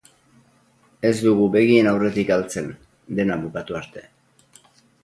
Ez dugu begien aurretik galtzen, dena bukatu arte.